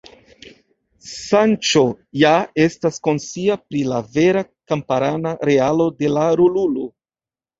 Sanĉo ja estas konscia pri la vera kamparana realo de la rolulo.